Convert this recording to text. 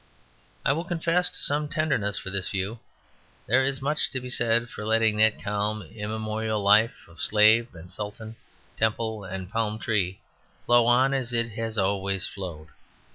I will confess to some tenderness for this view. There is much to be said for letting that calm immemorial life of slave and sultan, temple and palm tree flow on as it has always flowed.